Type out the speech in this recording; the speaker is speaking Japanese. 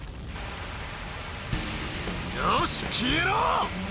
よし消えろ！